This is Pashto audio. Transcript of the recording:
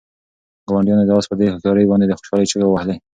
ګاونډیانو د آس په دې هوښیارۍ باندې د خوشحالۍ چیغې وهلې.